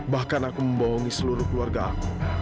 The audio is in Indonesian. bahkan aku membohongi seluruh keluarga aku